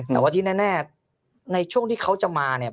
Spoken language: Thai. แต่ว่าที่แน่ในช่วงที่เขาจะมาเนี่ย